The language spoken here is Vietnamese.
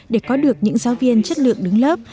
để có được những giáo viên chất lượng đứng lớp